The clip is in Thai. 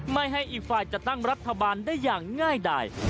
ไม่ให้อีกฝ่ายจะตั้งรัฐบาลได้อย่างง่ายดาย